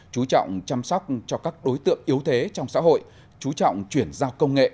chú trọng chăm sóc cho các đối tượng yếu thế trong xã hội chú trọng chuyển giao công nghệ